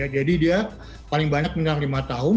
jadi dia paling banyak dengan lima tahun